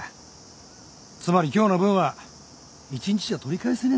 つまり今日の分は１日じゃ取り返せねえんだ。